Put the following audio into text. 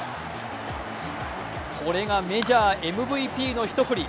これがメジャーＭＶＰの一振り。